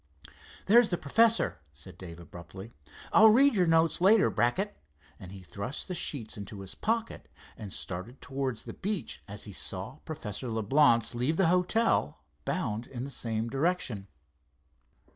"There's the professor," said Dave abruptly, "I'll read your notes later, Brackett," and he thrust the sheets into his pocket, and started towards the beach as he saw Professor Leblance leave the hotel, bound in the same direction.